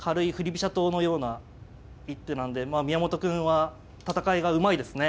飛車党のような一手なんで宮本くんは戦いがうまいですね。